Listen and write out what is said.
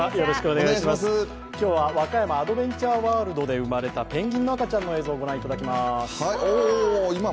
今日は和歌山アドベンチャーワールドで生まれたペンギンの赤ちゃんの映像を御覧いただきます。